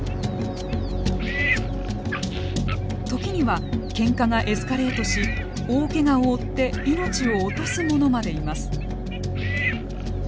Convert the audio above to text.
時にはケンカがエスカレートし大けがを負って命を落とすものまでいます。